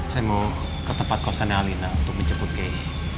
saya mau ke tempat kosannya alina untuk menjemput kiai